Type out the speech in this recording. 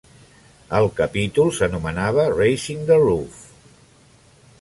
El capítol s'anomenava "Raising The Roof".